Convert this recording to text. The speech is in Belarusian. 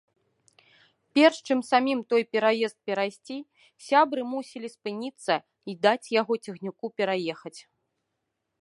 Перш чым самім той пераезд перайсці, сябры мусілі спыніцца й даць яго цягніку пераехаць.